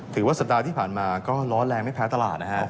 ถือว่าสัปดาห์ที่ผ่านมาก็ร้อนแรงไม่แพ้ตลาดนะฮะ